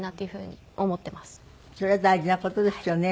それは大事な事ですよね。